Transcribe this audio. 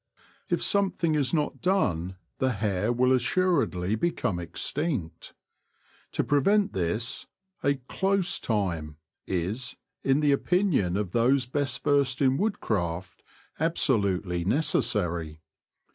If something is not done the hare will assuredly become extinct. To pre vent this a ''close time" is, in the opinion of those best versed in woodcraft, absolutely necessarv.